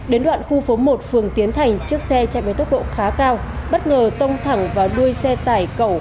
đến đoạn khu phố một phường tiến thành chiếc xe chạy với tốc độ khá cao bất ngờ tông thẳng vào đuôi xe tải cẩu